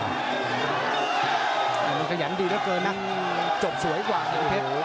มันขยันดีกว่าเกินนะจบสวยกว่าโอ้โห